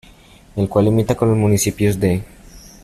El cual limita con los municipios de.